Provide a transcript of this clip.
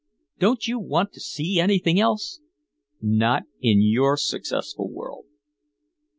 "Don't you want to see anything else?" "Not in your successful world."